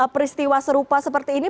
peristiwa serupa seperti ini